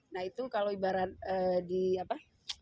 nah itu kalau ibarat di apa